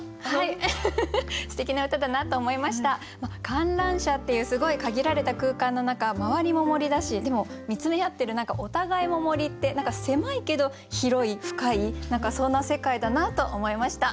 観覧車っていうすごい限られた空間の中周りも森だしでも見つめ合ってるお互いも森って狭いけど広い深い何かそんな世界だなと思いました。